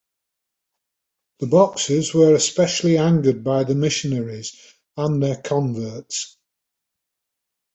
The Boxers were especially angered by missionaries and their converts.